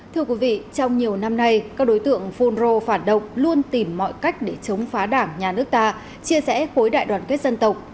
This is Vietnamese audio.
thưa quý vị trong nhiều năm nay các đối tượng phun rô phản động luôn tìm mọi cách để chống phá đảng nhà nước ta chia rẽ khối đại đoàn kết dân tộc